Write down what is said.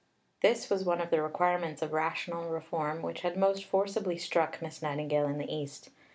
This was one of the requirements of rational reform which had most forcibly struck Miss Nightingale in the East.